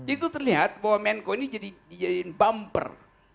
itu terlihat bahwa menko ini jadi bumper